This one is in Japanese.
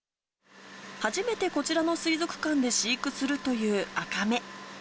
初めてこちらの水族館で飼育するというアカメ。